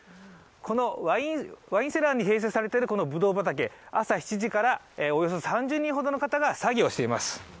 このワインセラーに併設されているぶどう畑、朝７時から、およそ３０人ほどの方が作業しています。